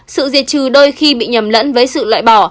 sự diệt trừ đôi khi bị nhầm lẫn với sự loại bỏ